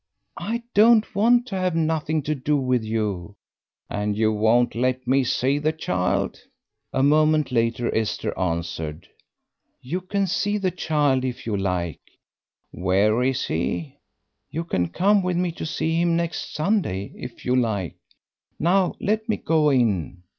"I don't want to have nothing to do with you." "And you won't let me see the child?" A moment later Esther answered, "You can see the child, if you like." "Where is he?" "You can come with me to see him next Sunday, if you like. Now let me go in."